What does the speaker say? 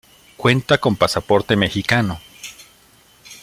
Cuenta con pasaporte mexicano.